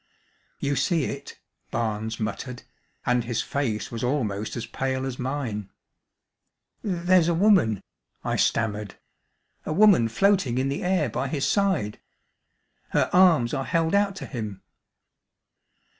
"You see it?" Barnes muttered, and his face was almost as pale as mine. "There's a woman," I stammered, "a woman floating in the air by his side. Her arms are held out to him."